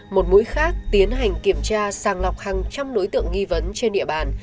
một mũi khác tiến hành kiểm tra sàng lọc hàng trăm đối tượng nghi vấn trên địa bàn